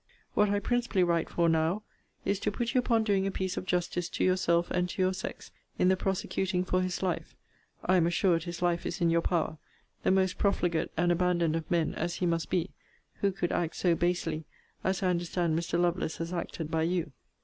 What I principally write for now is, to put you upon doing a piece of justice to yourself, and to your sex, in the prosecuting for his life (I am assured his life is in your power) the most profligate and abandoned of men, as he must be, who could act so basely, as I understand Mr. Lovelace has acted by you.